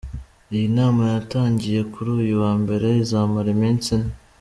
Iyi nama yatangiye kuri uyu wa Mbere izamara iminsi ine.